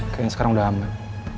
kayaknya sekarang udah aman